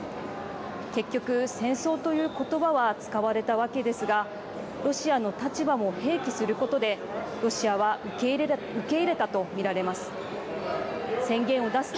結局、戦争という言葉は使われたわけですがロシアの立場も併記することでロシアは受け入れたと見られます。